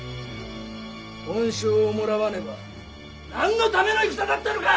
恩賞をもらわねば何のための戦だったのか！